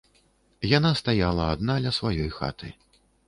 Яна стаяла адна ля сваёй хаты.